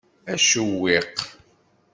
Acewwiq.